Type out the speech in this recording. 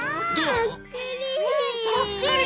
そっくり！